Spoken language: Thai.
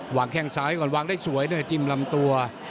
แข้งซ้ายก่อนวางได้สวยด้วยจิ้มลำตัว